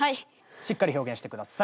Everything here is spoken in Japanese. しっかり表現してください。